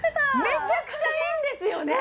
めちゃくちゃいいんですよね